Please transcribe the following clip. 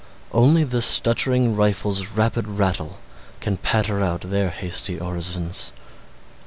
Only the stuttering rifles' rapid rattle Can patter out their hasty orisons.